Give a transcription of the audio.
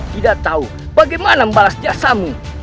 tidak tahu bagaimana membalas jasamu